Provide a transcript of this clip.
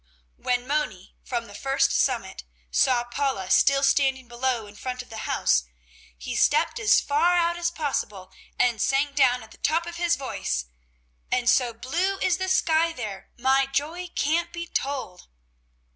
When Moni, from the first summit, saw Paula still standing below in front of the house, he stepped as far out as possible and sang down at the top of his voice: "And so blue is the sky there My joy can't be told."